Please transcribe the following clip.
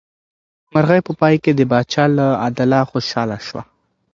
مرغۍ په پای کې د پاچا له عدله خوشحاله شوه.